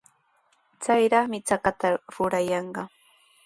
Chayraqmi chakata rurayanqa.